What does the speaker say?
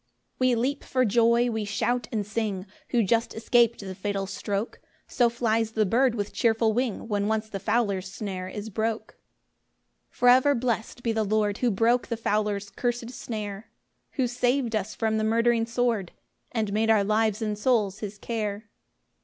3 We leap for joy, we shout and sing, Who just escap'd the fatal stroke; So flies the bird with cheerful wing, When once the fowler's snare is broke. 4 For ever blessed be the Lord, Who broke the fowler's cursed snare, Who sav'd us from the murdering sword, And made our lives and souls his care.